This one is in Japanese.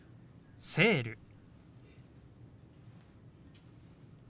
「セール」。